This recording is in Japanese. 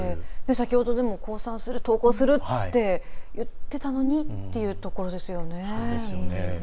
先ほど投降するって言ってたのにというところですよね。